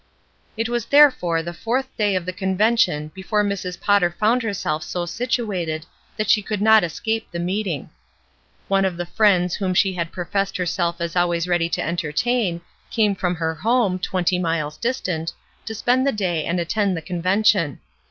It was therefore the fourth day of the con vention before Mrs. Potter found herself so situated that she could not escape the meeting. 372 ESTER RIED'S NAMESAKE One of the friends whom she had professed herself as always ready to entertain came from her home, twenty miles distant, to spend the day and attend the convention.